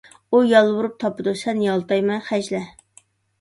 ئۇ يالۋۇرۇپ تاپىدۇ، سەن يالتايماي خەجلە!